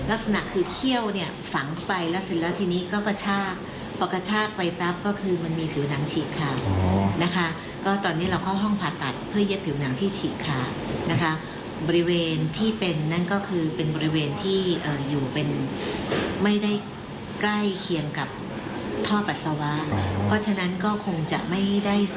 อะไรอยู่ในลักษณะของฟังก์ชันการใช้งาน